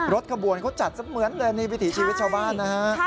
รถขบวนก็จัดเสมือนในพิธีชีวิตชาวบ้านนะฮะ